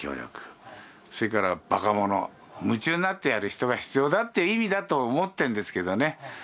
それからバカ者夢中になってやる人が必要だって意味だと思ってんですけどね。